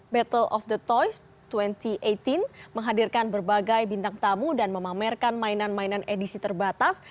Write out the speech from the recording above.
battle of the toys dua ribu delapan belas menghadirkan berbagai bintang tamu dan memamerkan mainan mainan edisi terbatas